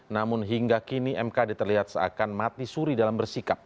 namun hingga kini mkd terlihat seakan mati suri dalam bersikap